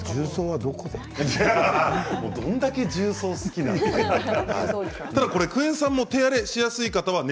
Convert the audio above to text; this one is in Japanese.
どれだけ重曹が好きなんですか。